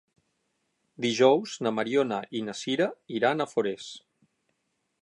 Dijous na Mariona i na Sira iran a Forès.